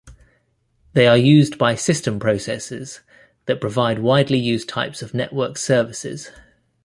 They are used by system processes that provide widely used types of network services.